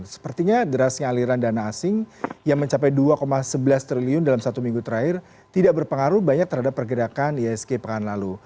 sepertinya derasnya aliran dana asing yang mencapai dua sebelas triliun dalam satu minggu terakhir tidak berpengaruh banyak terhadap pergerakan isg pekan lalu